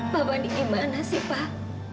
mama di mana sih pak